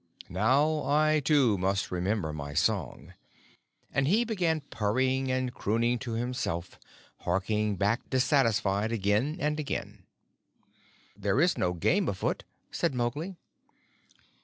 Now I, too, must remember my song," and he began purring and crooning to himself, harking back dissatisfied again and again. "There is no game afoot," said Mowgli.